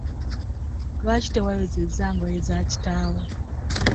Lwaki tewayozezza ngoye za kitaawo?